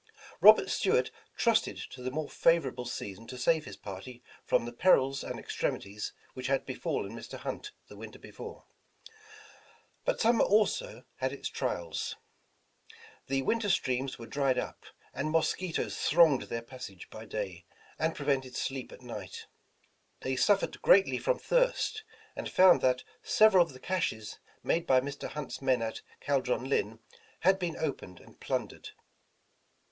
Robert Stuart trusted to the more favorable season to save his party from the perils and extremities which had befallen Mr. Hunt the winter before; but summer also had its trials. The winter streams were dried up, and mosquitoes thronged their passage by day, and pre 197 The Original John Jacob Astor vented sleep at night. They suffered greatly from thirst, and found that several of the caches made by Mr. Hunt's men at ''Caldron Linn," had been opened and plundered.